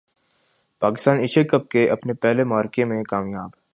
Pakistan Asia cup کے اپنے پہلے معرکے میں کامیاب